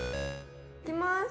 いきます！